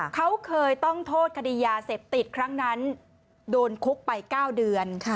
เขาเคยต้องโทษคดียาเสพติดครั้งนั้นโดนคุกไป๙เดือน